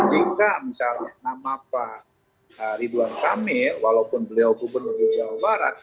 jika misalnya nama pak ridwan kamil walaupun beliau gubernur jawa barat